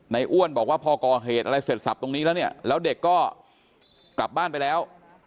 อ้วนบอกว่าพอก่อเหตุอะไรเสร็จสับตรงนี้แล้วเนี่ยแล้วเด็กก็กลับบ้านไปแล้ว